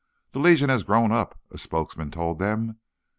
"The Legion has grown up," a spokesman told them.